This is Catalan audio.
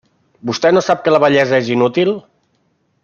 ¿Vostè no sap que la bellesa és inútil?